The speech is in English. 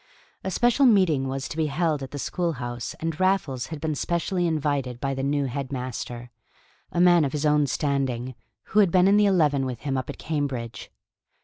A special meeting was to be held at the school house, and Raffles had been specially invited by the new head master, a man of his own standing, who had been in the eleven with him up at Cambridge.